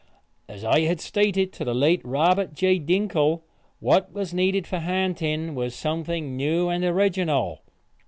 As I had stated to the late Robert J. Dinkle, what was needed for ha'nting was something new and original.